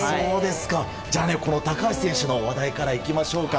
じゃあ、高橋選手の話題からいきましょうか。